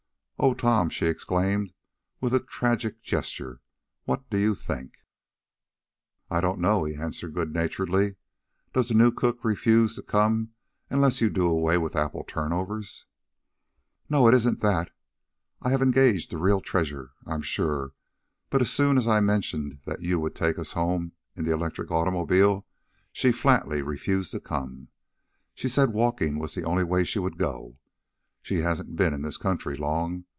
"Oh, Tom!" she exclaimed, with a little tragic gesture, "what do you think?" "I don't know," he answered good naturedly. "Does the new cook refuse to come unless you do away with apple turnovers?" "No, it isn't that. I have engaged a real treasure, I'm sure, but as soon as I mentioned that you would take us home in the electric automobile, she flatly refused to come. She said walking was the only way she would go. She hasn't been in this country long.